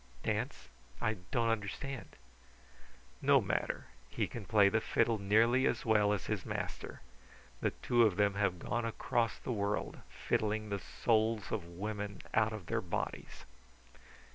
"Dance? I don't understand." "No matter. He can play the fiddle nearly as well as his master. The two of them have gone across the world fiddling the souls of women out of their bodies."